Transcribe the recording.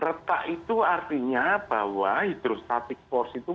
retak itu artinya bahwa hidrostatik force itu